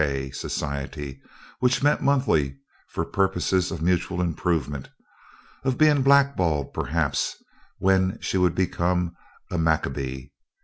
K. Society, which met monthly for purposes of mutual improvement of being blackballed, perhaps, when she would become a Maccabee!